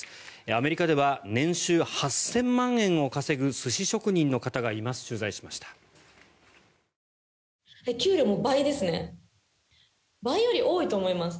アメリカでは年収８０００万円を稼ぐ寿司職人の方がいます。